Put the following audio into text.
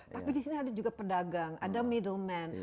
tapi di sini ada juga pedagang ada middleman